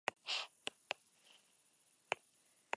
Estanglia reconoció la influencia creciente de Mercia.